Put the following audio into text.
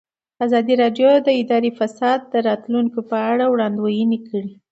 ازادي راډیو د اداري فساد د راتلونکې په اړه وړاندوینې کړې.